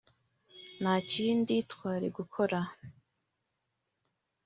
nta kindi twari gukora